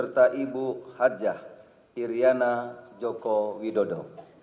dan ibu haji iryana joko widodo